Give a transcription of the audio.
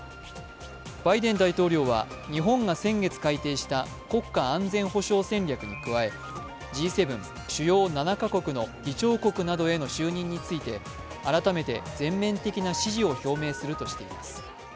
バイデン大統領は日本が先月改定した国家安全保障戦略に加え、Ｇ７＝主要７か国の議長国などへの就任について、改めて全面的な支持を表明するとしています。